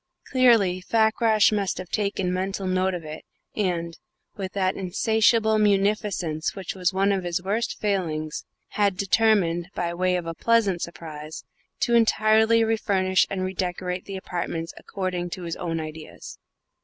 Clearly Fakrash must have taken a mental note of it, and, with that insatiable munificence which was one of his worst failings, had determined, by way of a pleasant surprise, to entirely refurnish and redecorate the apartments according to his own ideas.